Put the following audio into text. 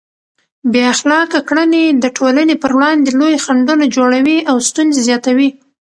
بې اخلاقه کړنې د ټولنې پر وړاندې لوی خنډونه جوړوي او ستونزې زیاتوي.